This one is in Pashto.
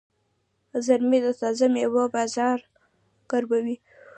زمری د تازه میوو بازار ګرموي.